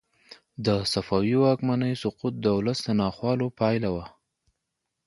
د صفوي واکمنۍ سقوط د ولس د ناخوالو پایله وه.